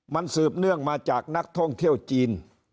มันสืบเนื่องมาจากนักท่องเที่ยวจีน